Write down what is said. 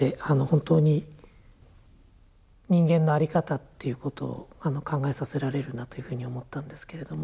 本当に人間のあり方っていうことを考えさせられるなというふうに思ったんですけれども。